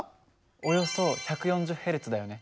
およそ１４０Ｈｚだよね。